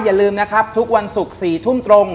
อย่าลืมนะครับทุกวันศุกร์๔ทุ่มตรง